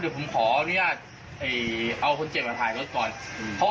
เดี๋ยวผมขออนุญาตเอ้ยเอาคนเจ็บมาถ่ายรถก่อนอืมเขา